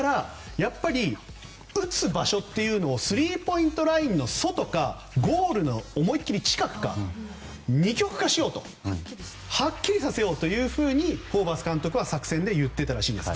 打つ場所というのをスリーポイントラインの外かゴールの思い切り近くか二極化しようとはっきりさせようとホーバス監督は作戦で言っていたらしいです。